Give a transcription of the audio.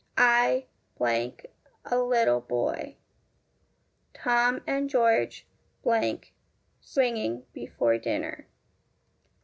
I a little boy. Tom and George swinging before dinner.